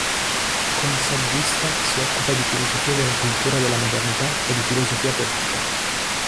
Come saggista, si occupa di filosofia della cultura della modernità e di filosofia politica.